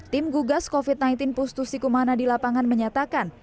tim gugas covid sembilan belas pustu sikumana di lapangan menyatakan